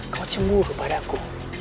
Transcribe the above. kau cemburu padaku